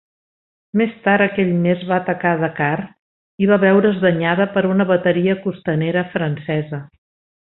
Més tard aquell mes va atacar Dakar, i va veure's danyada per una bateria costanera francesa.